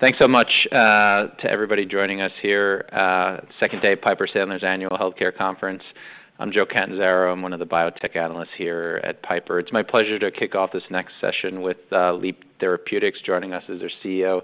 Thanks so much to everybody joining us here at the second day of Piper Sandler's annual healthcare conference. I'm Joe Catanzaro. I'm one of the biotech analysts here at Piper. It's my pleasure to kick off this next session with Leap Therapeutics joining us as their CEO,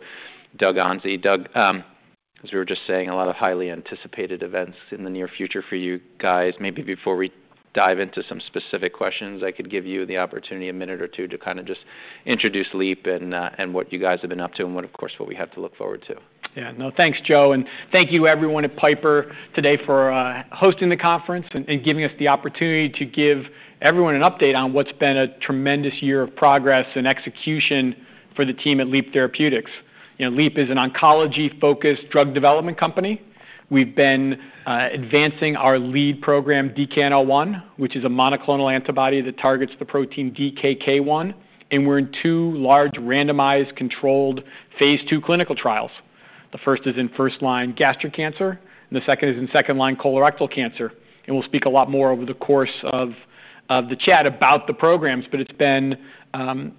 Doug Onsi. Doug, as we were just saying, a lot of highly anticipated events in the near future for you guys. Maybe before we dive into some specific questions, I could give you the opportunity a minute or two to kind of just introduce Leap and what you guys have been up to and, of course, what we have to look forward to. Yeah, no, thanks, Joe, and thank you, everyone at Piper today for hosting the conference and giving us the opportunity to give everyone an update on what's been a tremendous year of progress and execution for the team at Leap Therapeutics. Leap is an oncology-focused drug development company. We've been advancing our lead program, DKN-01, which is a monoclonal antibody that targets the protein DKK 1. We're in two large randomized controlled phase two clinical trials. The first is in first-line gastric cancer, and the second is in second-line colorectal cancer. We'll speak a lot more over the course of the chat about the programs, but it's been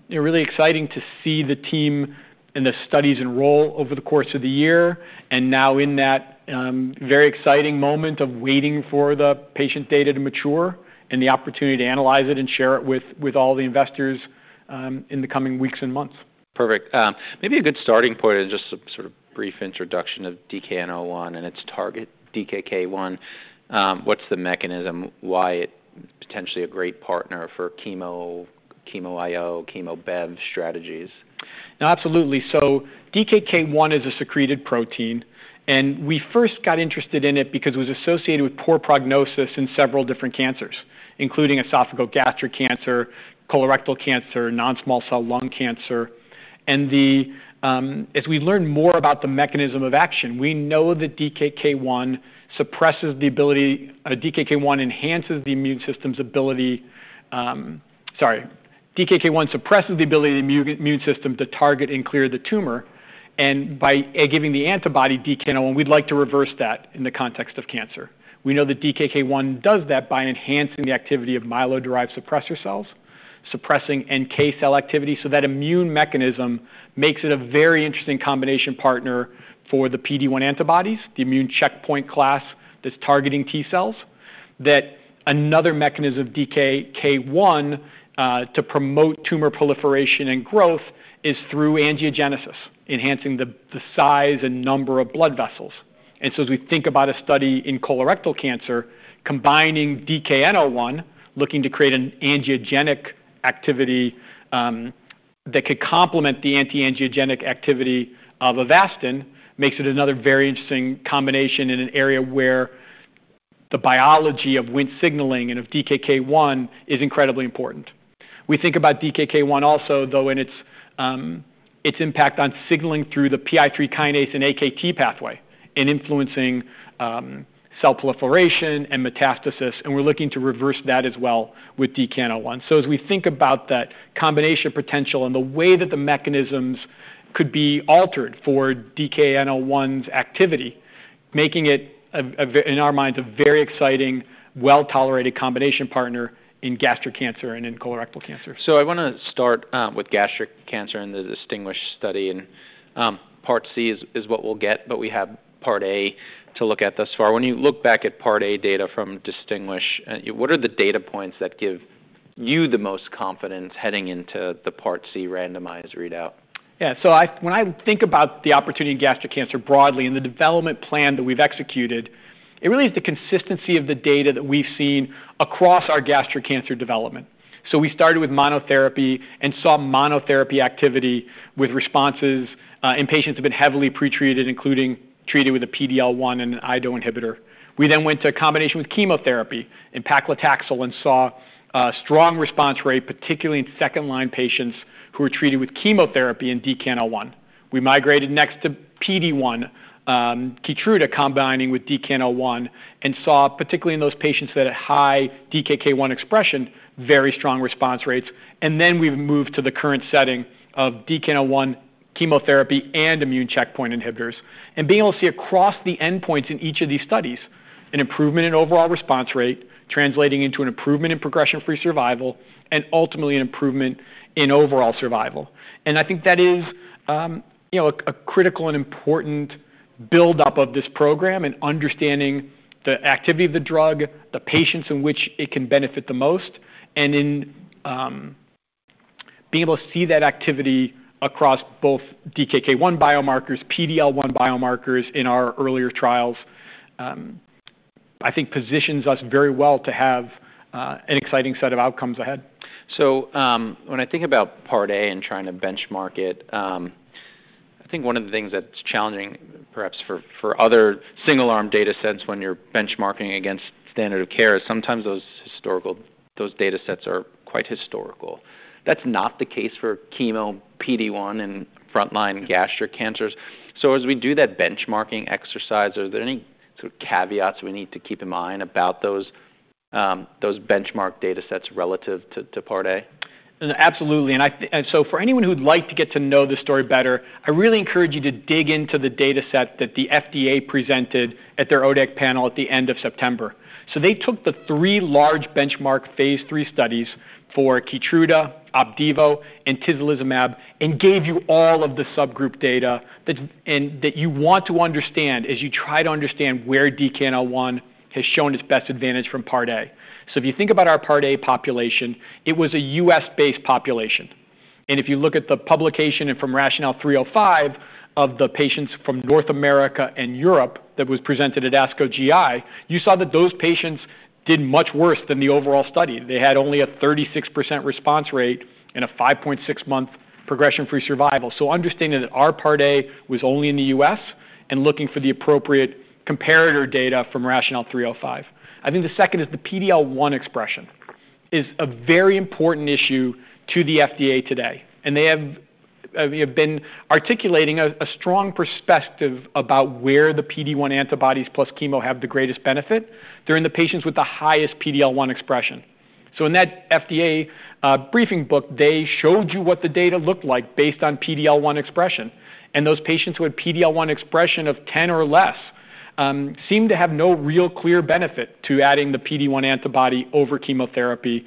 really exciting to see the team and the studies enroll over the course of the year. Now, in that very exciting moment of waiting for the patient data to mature and the opportunity to analyze it and share it with all the investors in the coming weeks and months. Perfect. Maybe a good starting point is just a sort of brief introduction of DKN-01 and its target, DKK 1. What's the mechanism? Why it's potentially a great partner for chemo IO, chemo Bev strategies? No, absolutely. So DKK 1 is a secreted protein, and we first got interested in it because it was associated with poor prognosis in several different cancers, including esophagogastric cancer, colorectal cancer, non-small cell lung cancer. And as we learn more about the mechanism of action, we know that DKK 1 suppresses the ability DKK 1 enhances the immune system's ability sorry, DKK 1 suppresses the ability of the immune system to target and clear the tumor. And by giving the antibody DKN-01, we'd like to reverse that in the context of cancer. We know that DKK 1 does that by enhancing the activity of myeloid-derived suppressor cells, suppressing NK cell activity. So that immune mechanism makes it a very interesting combination partner for the PD-1 antibodies, the immune checkpoint class that's targeting T cells. That another mechanism of DKK 1 to promote tumor proliferation and growth is through angiogenesis, enhancing the size and number of blood vessels. And so, as we think about a study in colorectal cancer, combining DKN-01, looking to create an angiogenic activity that could complement the anti-angiogenic activity of Avastin, makes it another very interesting combination in an area where the biology of Wnt signaling and of DKK 1 is incredibly important. We think about DKK 1 also, though, and its impact on signaling through the PI3 kinase and AKT pathway and influencing cell proliferation and metastasis. And we're looking to reverse that as well with DKN-01. So, as we think about that combination potential and the way that the mechanisms could be altered for DKN-01's activity, making it, in our minds, a very exciting, well-tolerated combination partner in gastric cancer and in colorectal cancer. I want to start with gastric cancer in the DisTinGuish study, and Part C is what we'll get, but we have Part A to look at thus far. When you look back at Part A data from DisTinGuish, what are the data points that give you the most confidence heading into the Part C randomized readout? Yeah, so when I think about the opportunity in gastric cancer broadly and the development plan that we've executed, it really is the consistency of the data that we've seen across our gastric cancer development. So, we started with monotherapy and saw monotherapy activity with responses in patients who have been heavily pretreated, including treated with a PD-L1 and an IDO inhibitor. We then went to a combination with chemotherapy and paclitaxel and saw a strong response rate, particularly in second-line patients who were treated with chemotherapy and DKN-01. We migrated next to PD-1, Keytruda combining with DKN-01, and saw, particularly in those patients that had high DKK 1 expression, very strong response rates, and then we've moved to the current setting of DKN-01, chemotherapy, and immune checkpoint inhibitors. Being able to see across the endpoints in each of these studies, an improvement in overall response rate translating into an improvement in progression-free survival and ultimately an improvement in overall survival. I think that is a critical and important buildup of this program and understanding the activity of the drug, the patients in which it can benefit the most, and in being able to see that activity across both DKK 1 biomarkers, PD-L1 biomarkers in our earlier trials, I think positions us very well to have an exciting set of outcomes ahead. So, when I think about part A and trying to benchmark it, I think one of the things that's challenging, perhaps for other single-arm data sets when you're benchmarking against standard of care, is sometimes those data sets are quite historical. That's not the case for chemo, PD-1, and front-line gastric cancers. So, as we do that benchmarking exercise, are there any sort of caveats we need to keep in mind about those benchmark data sets relative to part A? Absolutely. And so, for anyone who'd like to get to know this story better, I really encourage you to dig into the data set that the FDA presented at their ODAC panel at the end of September. So, they took the three large benchmark phase three studies for Keytruda, Opdivo, and Atezolizumab and gave you all of the subgroup data that you want to understand as you try to understand where DKN-01 has shown its best advantage from part A. So, if you think about our part A population, it was a U.S.-based population. And if you look at the publication and from RATIONALE 305 of the patients from North America and Europe that was presented at ASCO GI, you saw that those patients did much worse than the overall study. They had only a 36% response rate and a 5.6-month progression-free survival. So, understanding that our part A was only in the U.S. and looking for the appropriate comparator data from RATIONALE-305. I think the second is the PD-L1 expression is a very important issue to the FDA today. And they have been articulating a strong perspective about where the PD-1 antibodies plus chemo have the greatest benefit. They're in the patients with the highest PD-L1 expression. So, in that FDA briefing book, they showed you what the data looked like based on PD-L1 expression. And those patients who had PD-L1 expression of 10 or less seemed to have no real clear benefit to adding the PD-1 antibody over chemotherapy.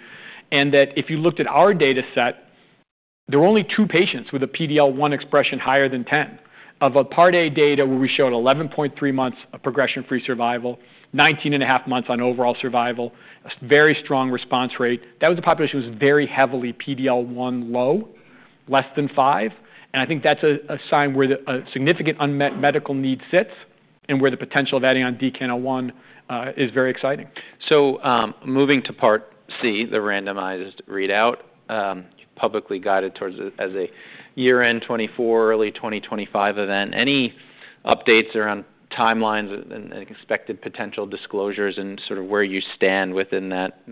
And that if you looked at our data set, there were only two patients with a PD-L1 expression higher than 10. Of a Part A data where we showed 11.3 months of progression-free survival, 19.5 months on overall survival, a very strong response rate, that was a population that was very heavily PD-L1 low, less than 5%, and I think that's a space where a significant unmet medical need sits and where the potential of adding on DKN-01 is very exciting. So, moving to part C, the randomized readout, publicly guided towards as a year-end 2024, early 2025 event. Any updates around timelines and expected potential disclosures and sort of where you stand within that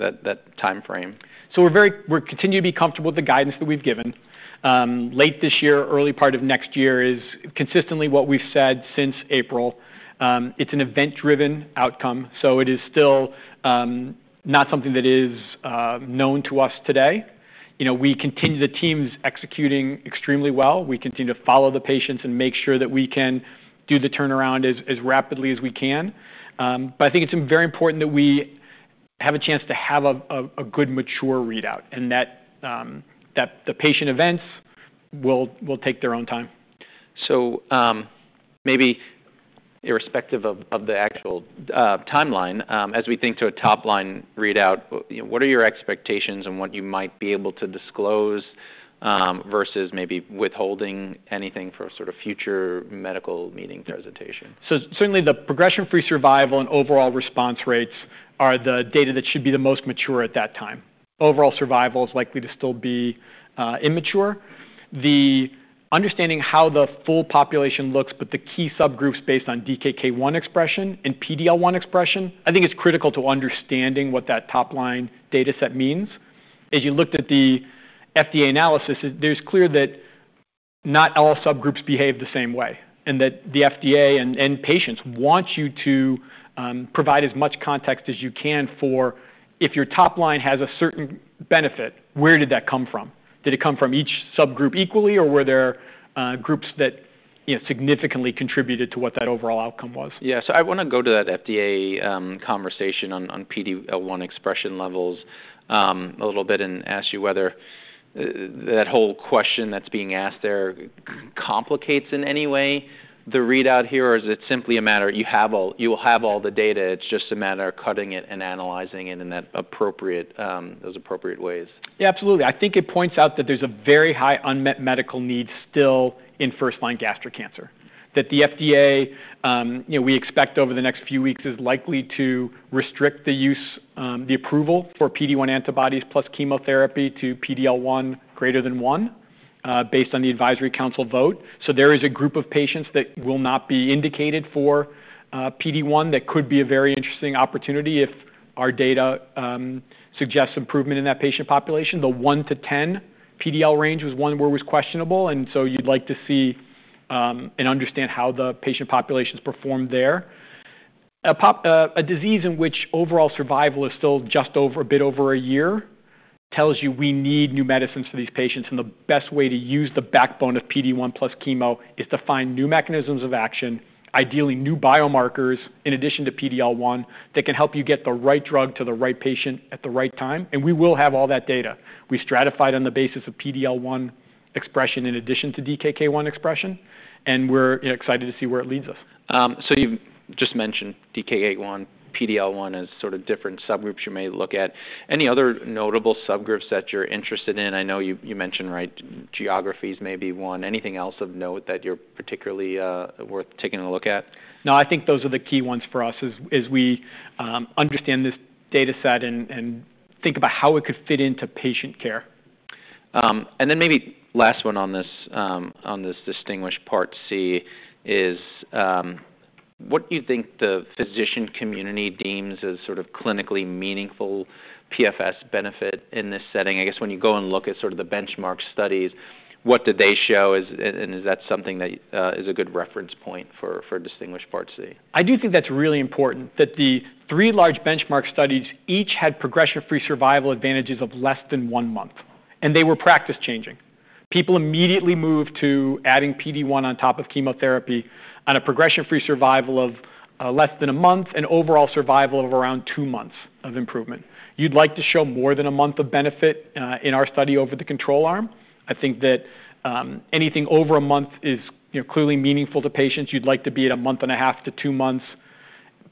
timeframe? We're continuing to be comfortable with the guidance that we've given. Late this year, early part of next year is consistently what we've said since April. It's an event-driven outcome, so it is still not something that is known to us today. We continue the teams executing extremely well. We continue to follow the patients and make sure that we can do the turnaround as rapidly as we can. I think it's very important that we have a chance to have a good mature readout and that the patient events will take their own time. So, maybe irrespective of the actual timeline, as we think to a top-line readout, what are your expectations and what you might be able to disclose versus maybe withholding anything for a sort of future medical meeting presentation? So, certainly the progression-free survival and overall response rates are the data that should be the most mature at that time. Overall survival is likely to still be immature. The understanding how the full population looks, but the key subgroups based on DKK 1 expression and PD-L1 expression, I think it's critical to understanding what that top-line data set means. As you looked at the FDA analysis, it is clear that not all subgroups behave the same way and that the FDA and patients want you to provide as much context as you can for if your top line has a certain benefit, where did that come from? Did it come from each subgroup equally, or were there groups that significantly contributed to what that overall outcome was? Yeah, so I want to go to that FDA conversation on PD-L1 expression levels a little bit and ask you whether that whole question that's being asked there complicates in any way the readout here, or is it simply a matter you will have all the data? It's just a matter of cutting it and analyzing it in those appropriate ways. Yeah, absolutely. I think it points out that there's a very high unmet medical need still in first-line gastric cancer. That the FDA, we expect over the next few weeks, is likely to restrict the use, the approval for PD-1 antibodies plus chemotherapy to PD-L1 greater than 1 based on the advisory council vote. So, there is a group of patients that will not be indicated for PD-1 that could be a very interesting opportunity if our data suggests improvement in that patient population. The 1-10 PD-L1 range was one where it was questionable, and so you'd like to see and understand how the patient populations performed there. A disease in which overall survival is still just over a year tells you we need new medicines for these patients, and the best way to use the backbone of PD-1 + chemo is to find new mechanisms of action, ideally new biomarkers in addition to PD-L1 that can help you get the right drug to the right patient at the right time, and we will have all that data. We stratified on the basis of PD-L1 expression in addition to DKK 1 expression, and we're excited to see where it leads us. So, you've just mentioned DKK 1, PD-L1 as sort of different subgroups you may look at. Any other notable subgroups that you're interested in? I know you mentioned, right, geographies may be one. Anything else of note that you're particularly worth taking a look at? No, I think those are the key ones for us as we understand this data set and think about how it could fit into patient care. Then maybe last one on this DisTinGuish Part C is what do you think the physician community deems as sort of clinically meaningful PFS benefit in this setting? I guess when you go and look at sort of the benchmark studies, what did they show, and is that something that is a good reference point for DisTinGuish Part C? I do think that's really important that the three large benchmark studies each had progression-free survival advantages of less than one month, and they were practice-changing. People immediately moved to adding PD-1 on top of chemotherapy on a progression-free survival of less than a month and overall survival of around two months of improvement. You'd like to show more than a month of benefit in our study over the control arm. I think that anything over a month is clearly meaningful to patients. You'd like to be at a month and a half to two months.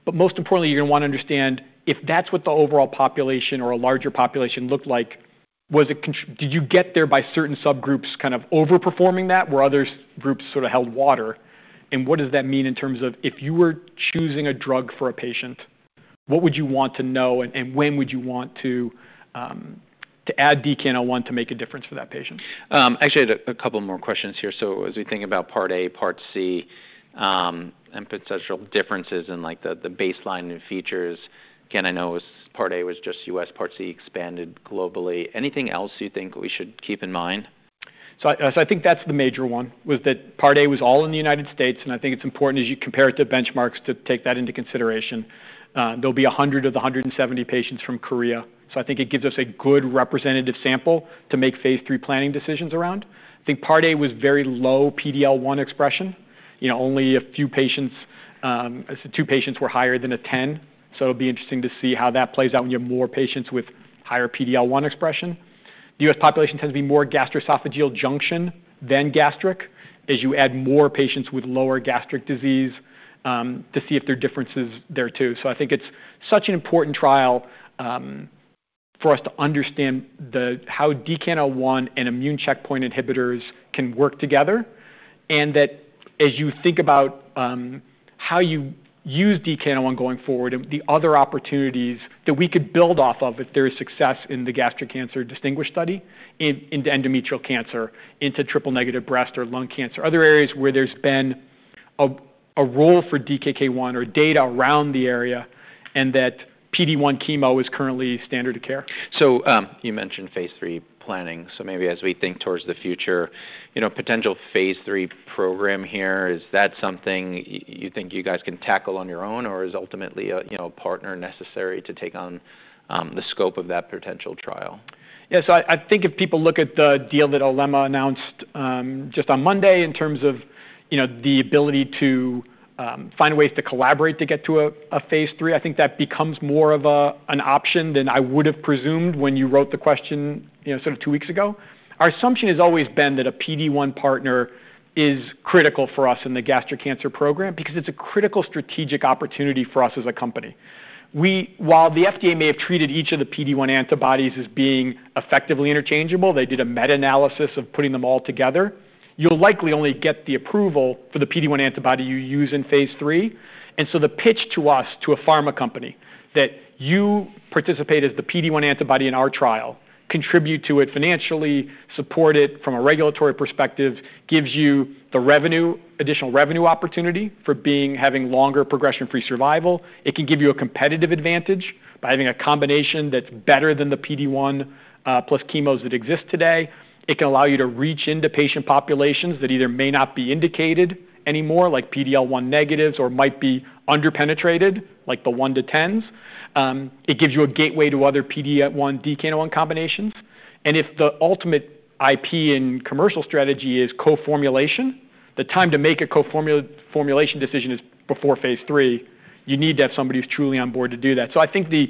But most importantly, you're going to want to understand if that's what the overall population or a larger population looked like, did you get there by certain subgroups kind of overperforming that, where other groups sort of held water? What does that mean in terms of if you were choosing a drug for a patient, what would you want to know, and when would you want to add DKN-01 to make a difference for that patient? Actually, I had a couple more questions here. So, as we think about part A, part C, and potential differences in the baseline and features, again, I know part A was just U.S., part C expanded globally. Anything else you think we should keep in mind? I think that's the major one was that part A was all in the U.S., and I think it's important as you compare it to benchmarks to take that into consideration. There'll be 100 of the 170 patients from Korea. So, I think it gives us a good representative sample to make phase 3 planning decisions around. I think part A was very low PD-L1 expression. Only a few patients, two patients were higher than a 10. So, it'll be interesting to see how that plays out when you have more patients with higher PD-L1 expression. The U.S. population tends to be more gastroesophageal junction than gastric as you add more patients with lower gastric disease to see if there are differences there too. So, I think it's such an important trial for us to understand how DKN-01 and immune checkpoint inhibitors can work together, and that as you think about how you use DKN-01 going forward and the other opportunities that we could build off of if there is success in the gastric cancer DisTinGuish study into endometrial cancer, into triple-negative breast or lung cancer, other areas where there's been a role for DKK 1 or data around the area, and that PD-1 chemo is currently standard of care. So, you mentioned phase three planning. So, maybe as we think towards the future, potential phase three program here, is that something you think you guys can tackle on your own, or is ultimately a partner necessary to take on the scope of that potential trial? Yeah, so I think if people look at the deal that Olema announced just on Monday in terms of the ability to find ways to collaborate to get to a phase three, I think that becomes more of an option than I would have presumed when you wrote the question sort of two weeks ago. Our assumption has always been that a PD-1 partner is critical for us in the gastric cancer program because it's a critical strategic opportunity for us as a company. While the FDA may have treated each of the PD-1 antibodies as being effectively interchangeable, they did a meta-analysis of putting them all together. You'll likely only get the approval for the PD-1 antibody you use in phase three. And so, the pitch to us, to a pharma company, that you participate as the PD-1 antibody in our trial, contribute to it financially, support it from a regulatory perspective, gives you the additional revenue opportunity for having longer progression-free survival. It can give you a competitive advantage by having a combination that's better than the PD-1 +chemos that exist today. It can allow you to reach into patient populations that either may not be indicated anymore, like PD-L1 negatives or might be underpenetrated, like the 1 to 10s. It gives you a gateway to other PD-1, 1 combinations. And if the ultimate IP and commercial strategy is co-formulation, the time to make a co-formulation decision is before phase three, you need to have somebody who's truly on board to do that. So, I think the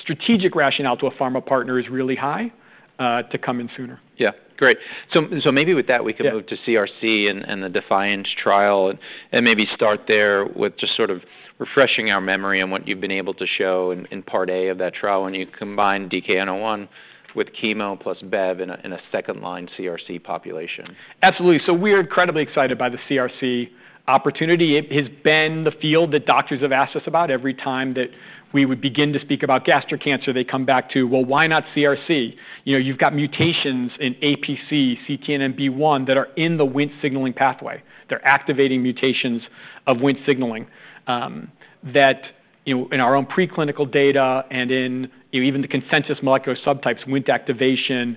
strategic rationale to a pharma partner is really high to come in sooner. Yeah, great. So, maybe with that, we can move to CRC and the DeFianCe trial and maybe start there with just sort of refreshing our memory on what you've been able to show in part A of that trial when you combine DKN-01 with chemo plus BEV in a second-line CRC population. Absolutely. So, we're incredibly excited by the CRC opportunity. It has been the field that doctors have asked us about. Every time that we would begin to speak about gastric cancer, they come back to, well, why not CRC? You've got mutations in APC, CTNMB1 that are in the Wnt signaling pathway. They're activating mutations of Wnt signaling that in our own preclinical data and in even the consensus molecular subtypes, Wnt activation,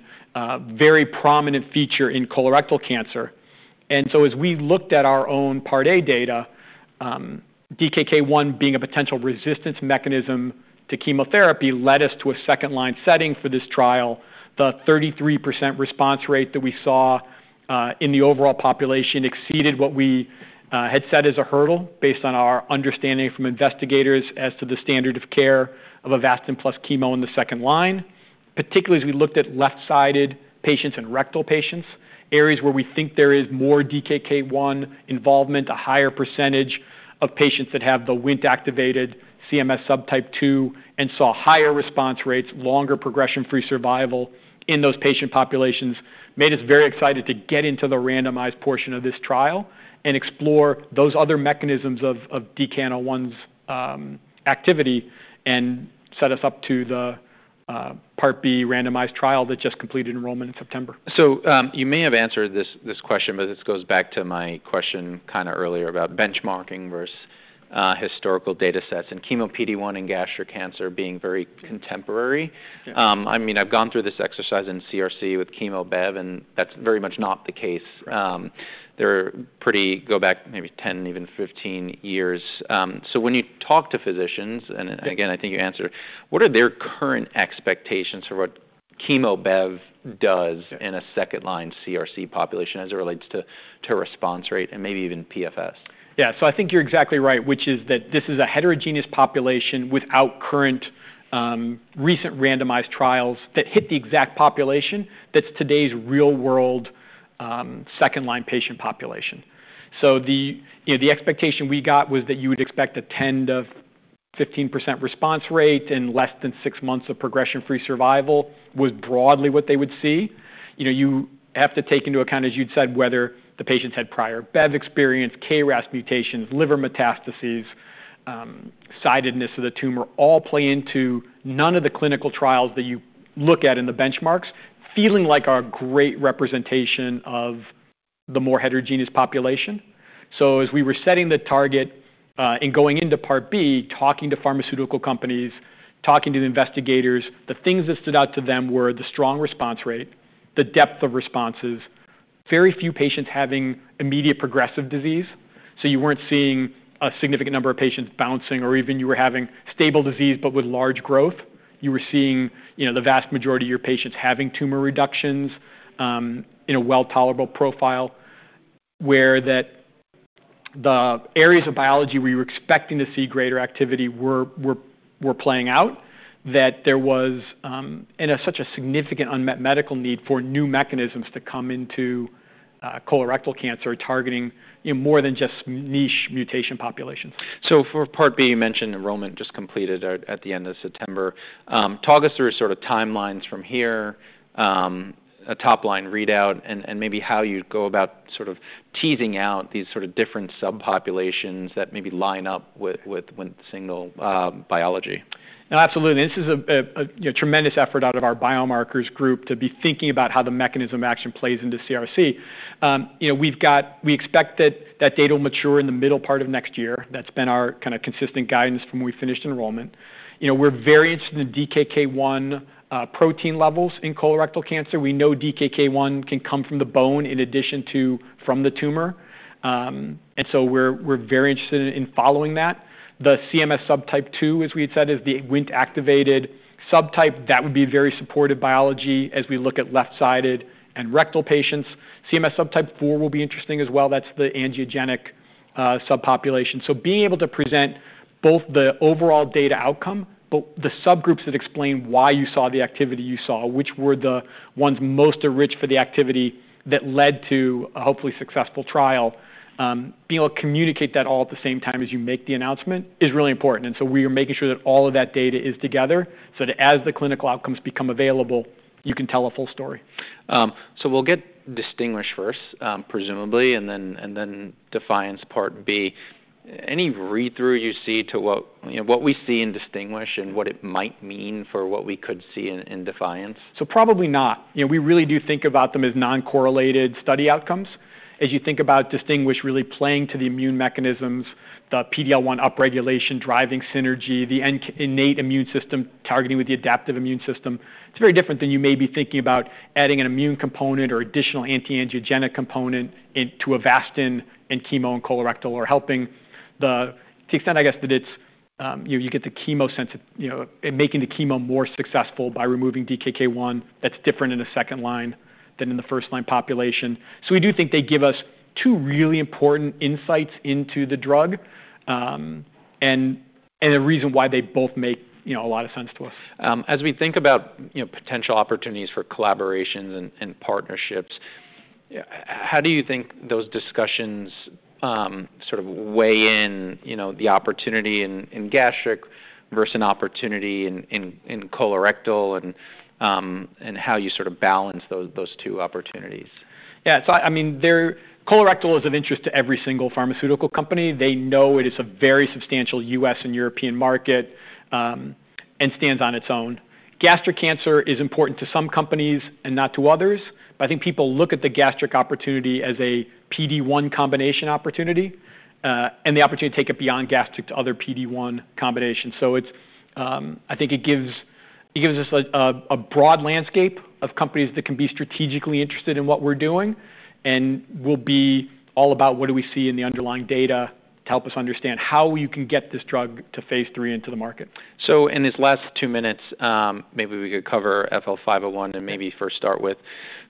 very prominent feature in colorectal cancer. And so, as we looked at our own part A data, DKK 1 being a potential resistance mechanism to chemotherapy led us to a second-line setting for this trial. The 33% response rate that we saw in the overall population exceeded what we had set as a hurdle based on our understanding from investigators as to the standard of care of Avastin +chemo in the second line, particularly as we looked at left-sided patients and rectal patients, areas where we think there is more DKK 1 involvement, a higher percentage of patients that have the Wnt activated CMS subtype 2 and saw higher response rates, longer progression-free survival in those patient populations, made us very excited to get into the randomized portion of this trial and explore those other mechanisms of DKN-01's activity and set us up to the part B randomized trial that just completed enrollment in September. You may have answered this question, but this goes back to my question kind of earlier about benchmarking versus historical data sets and chemo PD-1 and gastric cancer being very contemporary. I mean, I've gone through this exercise in CRC with chemo BEV, and that's very much not the case. They go back maybe 10, even 15 years. When you talk to physicians, and again, I think you answered, what are their current expectations for what chemo BEV does in a second-line CRC population as it relates to response rate and maybe even PFS? Yeah, so I think you're exactly right, which is that this is a heterogeneous population without current recent randomized trials that hit the exact population that's today's real-world second-line patient population. So, the expectation we got was that you would expect a 10%-15% response rate in less than six months of progression-free survival was broadly what they would see. You have to take into account, as you'd said, whether the patients had prior BEV experience, KRAS mutations, liver metastases, sidedness of the tumor all play into none of the clinical trials that you look at in the benchmarks feeling like a great representation of the more heterogeneous population. As we were setting the target and going into part B, talking to pharmaceutical companies, talking to the investigators, the things that stood out to them were the strong response rate, the depth of responses, very few patients having immediate progressive disease. You weren't seeing a significant number of patients bouncing, or even you were having stable disease, but with large growth. You were seeing the vast majority of your patients having tumor reductions in a well-tolerated profile where the areas of biology where you were expecting to see greater activity were playing out, that there was such a significant unmet medical need for new mechanisms to come into colorectal cancer targeting more than just niche mutation populations. So, for part B, you mentioned enrollment just completed at the end of September. Talk us through sort of timelines from here, a top-line readout, and maybe how you'd go about sort of teasing out these sort of different subpopulations that maybe line up with Wnt signaling biology. No, absolutely. This is a tremendous effort out of our biomarkers group to be thinking about how the mechanism of action plays into CRC. We expect that that data will mature in the middle part of next year. That's been our kind of consistent guidance from when we finished enrollment. We're very interested in DKK 1 protein levels in colorectal cancer. We know DKK 1 can come from the bone in addition to from the tumor. And so, we're very interested in following that. The CMS subtype 2, as we had said, is the Wnt activated subtype. That would be very supportive biology as we look at left-sided and rectal patients. CMS subtype 4 will be interesting as well. That's the angiogenic subpopulation. Being able to present both the overall data outcome, but the subgroups that explain why you saw the activity you saw, which were the ones most enriched for the activity that led to a hopefully successful trial, being able to communicate that all at the same time as you make the announcement is really important. We are making sure that all of that data is together so that as the clinical outcomes become available, you can tell a full story. So, we'll get Distinguish first, presumably, and then Defiance part B. Any read-through you see to what we see in Distinguish and what it might mean for what we could see in Defiance? So, probably not. We really do think about them as non-correlated study outcomes as you think about DisTinGuish really playing to the immune mechanisms, the PD-L1 upregulation driving synergy, the innate immune system targeting with the adaptive immune system. It's very different than you may be thinking about adding an immune component or additional anti-angiogenic component to Avastin and chemo and colorectal or helping to the extent, I guess, that you get the chemo making the chemo more successful by removing DKK 1 that's different in a second line than in the first-line population. So, we do think they give us two really important insights into the drug and a reason why they both make a lot of sense to us. As we think about potential opportunities for collaborations and partnerships, how do you think those discussions sort of weigh in the opportunity in gastric versus an opportunity in colorectal and how you sort of balance those two opportunities? Yeah, so I mean, colorectal is of interest to every single pharmaceutical company. They know it is a very substantial U.S. and European market and stands on its own. Gastric cancer is important to some companies and not to others, but I think people look at the gastric opportunity as a PD-1 combination opportunity and the opportunity to take it beyond gastric to other PD-1 combinations. So, I think it gives us a broad landscape of companies that can be strategically interested in what we're doing and will be all about what do we see in the underlying data to help us understand how you can get this drug to phase three into the market. In these last two minutes, maybe we could cover FL-501 and maybe first start with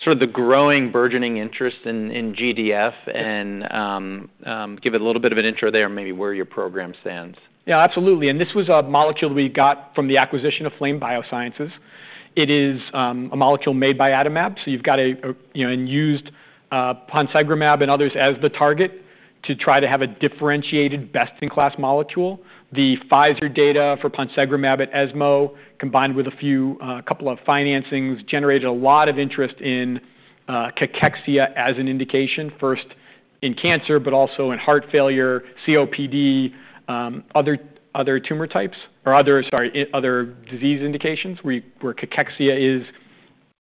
sort of the growing burgeoning interest in GDF and give it a little bit of an intro there and maybe where your program stands. Yeah, absolutely, and this was a molecule we got from the acquisition of Flame Biosciences. It is a molecule made by Adimab. So, you've got a used Ponsegromab and others as the target to try to have a differentiated best-in-class molecule. The Pfizer data for Ponsegromab at ESMO combined with a couple of financings generated a lot of interest in cachexia as an indication first in cancer, but also in heart failure, COPD, other tumor types, or other disease indications where cachexia is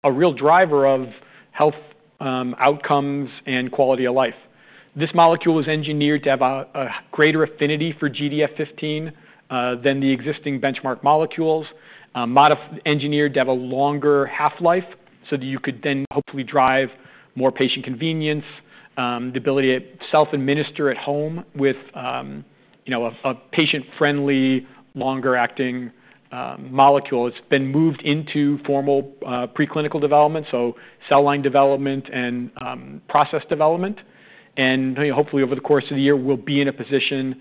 a real driver of health outcomes and quality of life. This molecule was engineered to have a greater affinity for GDF15 than the existing benchmark molecules, engineered to have a longer half-life so that you could then hopefully drive more patient convenience, the ability to self-administer at home with a patient-friendly, longer-acting molecule. It's been moved into formal preclinical development, so cell line development and process development. Hopefully, over the course of the year, we'll be in a position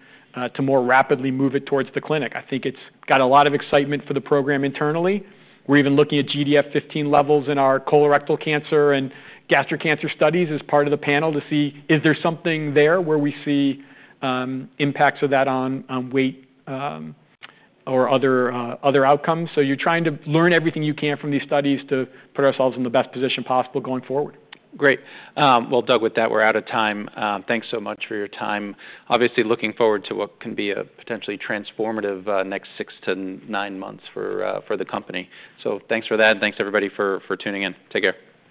to more rapidly move it towards the clinic. I think it's got a lot of excitement for the program internally. We're even looking at GDF15 levels in our colorectal cancer and gastric cancer studies as part of the panel to see, is there something there where we see impacts of that on weight or other outcomes. You're trying to learn everything you can from these studies to put ourselves in the best position possible going forward. Great. Well, Doug, with that, we're out of time. Thanks so much for your time. Obviously, looking forward to what can be a potentially transformative next six to nine months for the company. So, thanks for that and thanks to everybody for tuning in. Take care.